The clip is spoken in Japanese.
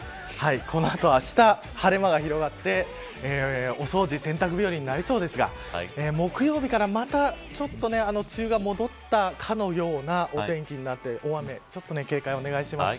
この後、あした晴れ間が広がってお掃除、洗濯日和になりそうですが木曜日からまた梅雨が戻ったかのようなお天気になって大雨、警戒をお願いします。